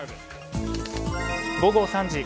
午後３時。